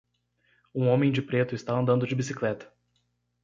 Um homem de preto está andando de bicicleta.